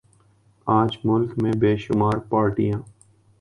آج ملک میں بے شمار پارٹیاں